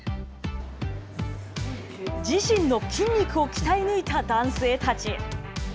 自身の筋肉を鍛え抜いた男性たち。